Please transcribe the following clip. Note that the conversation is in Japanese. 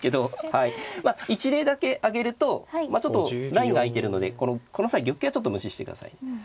まあ一例だけ挙げるとちょっとラインがあいてるのでこの際玉形はちょっと無視してください。